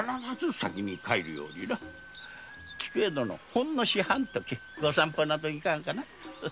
ほんの四半時お散歩などいかがかな？